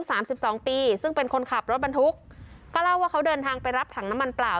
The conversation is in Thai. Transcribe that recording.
สามสิบสองปีซึ่งเป็นคนขับรถบรรทุกก็เล่าว่าเขาเดินทางไปรับถังน้ำมันเปล่า